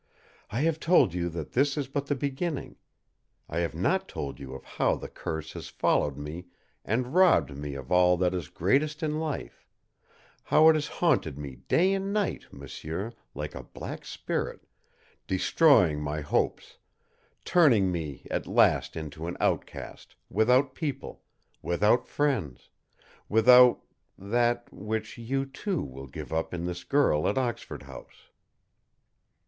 I have told you that this is but the beginning. I have not told you of how the curse has followed me and robbed me of all that is greatest in life how it has haunted me day and night, m'sieur, like a black spirit, destroying my hopes, turning me at last into an outcast, without people, without friends, without that which you, too, will give up in this girl at Oxford House.